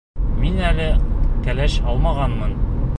— Мин әле кәләш алмағанмын.